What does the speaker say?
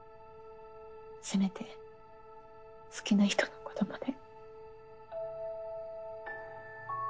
せめて好きな人の子どもで。